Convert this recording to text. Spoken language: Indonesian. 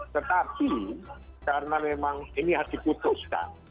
tetapi karena memang ini harus diputuskan